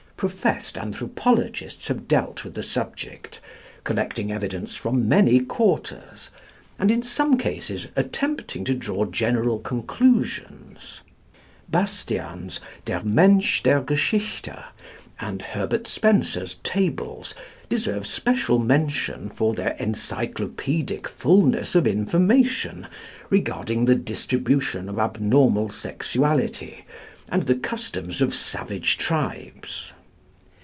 Professed anthropologists have dealt with the subject, collecting evidence from many quarters, and in some cases attempting to draw general conclusions. Bastian's "Der Mensch der Geschichte" and Herbert Spencer's Tables deserve special mention for their encyclopædic fulness of information regarding the distribution of abnormal sexuality and the customs of savage tribes.